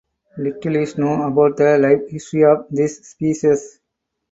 Little is know about the life history of this species.